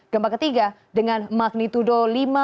gempa ketiga dengan magnetudo lima delapan